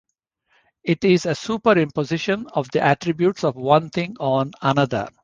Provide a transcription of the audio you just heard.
It is a superimposition of the attributes of one thing on another.